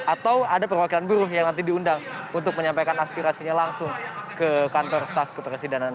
atau ada perwakilan buruh yang nanti diundang untuk menyampaikan aspirasinya langsung ke kantor staf kepresidenan